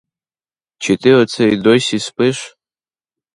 Чи ти оце й досі спиш?